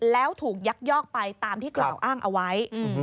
แล้วถูกยักยอกไปตามที่กล่าวอ้างเอาไว้